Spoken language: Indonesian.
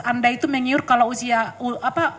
anda itu menyuruh kalau usia apa